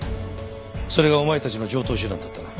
それがお前たちの常套手段だったな。